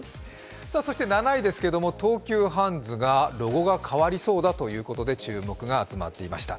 そして７位ですけれども、東急ハンズがロゴが変わりそうだということで注目が集まっていました。